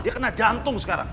dia kena jantung sekarang